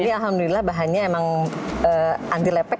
tapi alhamdulillah bahannya emang anti lepek